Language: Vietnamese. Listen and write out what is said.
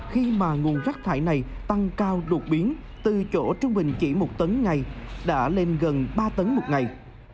khi mà nguồn rác thải này tăng cao đột biến từ chỗ trung bình chỉ một tấn ngày đã lên gần ba tấn một ngày